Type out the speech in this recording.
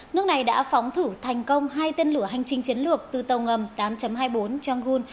nước này đã phóng thử thành công hai tên lửa hành trình chiến lược từ tàu ngầm tám hai mươi bốn yang gun